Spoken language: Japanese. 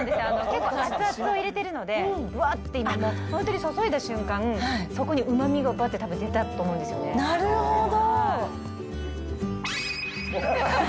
結構熱々を入れているので、わって今もう、本当に注いだ瞬間、そこにうまみがぶわっと出たとなるほど。